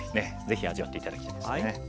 ぜひ味わって頂きたいですね。